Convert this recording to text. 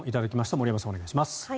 森山さん、お願いします。